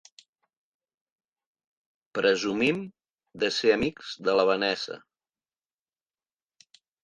Presumim de ser amics de la Vanessa.